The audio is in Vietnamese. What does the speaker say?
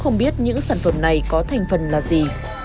không biết những sản phẩm này có thành phần là gì